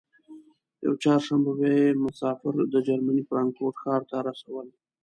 یوه چهارشنبه به یې مسافر د جرمني فرانکفورت ښار ته رسول.